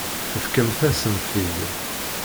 Tefkamt-asent-t-id.